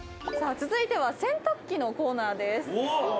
さあ続いては洗濯機のコーナーです。